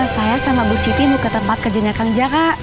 saya sama bu siti mau ke tempat kerjanya kang jaka